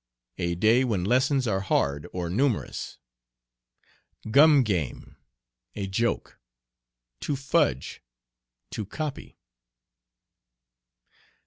A day when lessons are hard or numerous. "Gum game." A joke. "To fudge." To copy.